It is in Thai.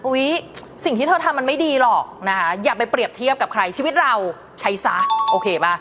สิ่งที่เธอทำมันไม่ดีหรอกนะคะอย่าไปเปรียบเทียบกับใครชีวิตเราใช้ซะโอเคป่ะ